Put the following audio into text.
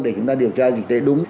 để chúng ta điều tra dịch tế đúng